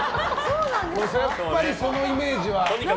やっぱりそのイメージは。